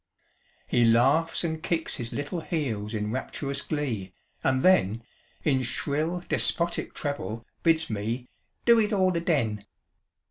He laughs and kicks his little heels in rapturous glee, and then In shrill, despotic treble bids me "do it all aden!"